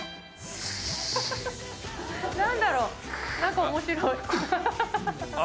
何だろう何か面白いあ